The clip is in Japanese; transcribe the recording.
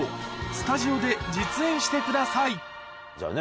スタジオで実演してくださいじゃあね